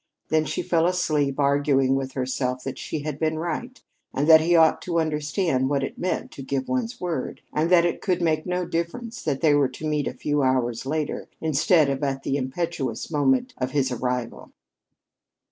Then she fell asleep arguing with herself that she had been right, and that he ought to understand what it meant to give one's word, and that it could make no difference that they were to meet a few hours later instead of at the impetuous moment of his arrival.